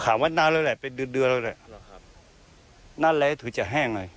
ขามไว้น้ำเลยแหละไปเดือดเดือดเลยแหละหรอครับนั่นแหละถือจะแห้งเลย